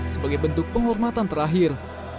sebagai bentuk penghormatan terakhir